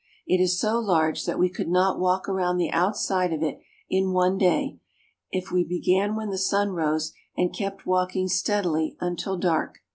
It is so large that we could not walk around the outside of it in one day, if we began when the sun rose and kept walking steadily until dark.